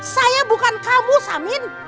saya bukan kamu samin